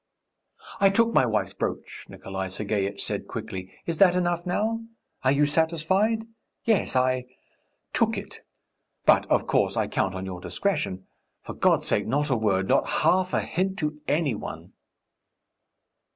"I took my wife's brooch," Nikolay Sergeitch said quickly. "Is that enough now? Are you satisfied? Yes, I ... took it.... But, of course, I count on your discretion.... For God's sake, not a word, not half a hint to any one!"